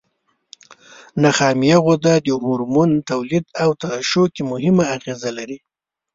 نخامیه غده د هورمون تولید او ترشح کې مهمه اغیزه لري.